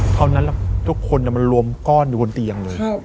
เท่านั้นทุกคนมันรวมก้อนอยู่บนเตียงเลย